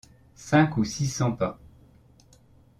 Cinq ou six cents pas.